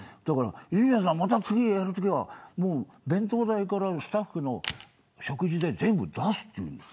泉谷さん、次やるときは弁当代からスタッフの食事代全部出すって。